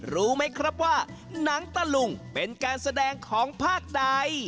รู้ไหมครับว่าหนังตะลุงเป็นการแสดงของภาคใด